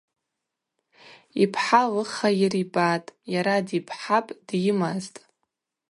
Йпхӏа лыхайыр йбатӏ, йара дипхӏапӏ, дйымазтӏ.